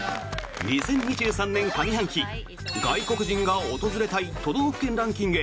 ２０２３年上半期外国人が訪れたい都道府県ランキング